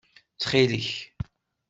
Ttxil-k!